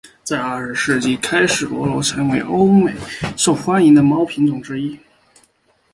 在二十世纪开始暹罗猫已成为欧美受欢迎的猫品种之一。